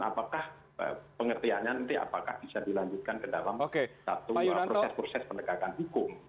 apakah pengertiannya nanti apakah bisa dilanjutkan ke dalam satu proses proses penegakan hukum